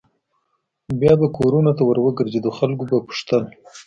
بیا به کورونو ته ور وګرځېدو خلکو به پوښتل.